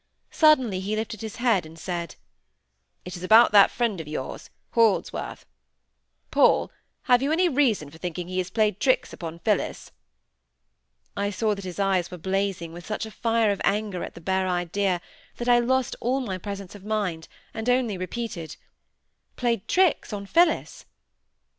Suddenly he lifted his head up and said,— "It is about that friend of yours, Holdsworth! Paul, have you any reason for thinking he has played tricks upon Phillis?" I saw that his eyes were blazing with such a fire of anger at the bare idea, that I lost all my presence of mind, and only repeated,— "Played tricks on Phillis!"